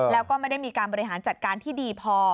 แล้วก็ไม่ได้มีการบริหารจัดการที่ดีพอ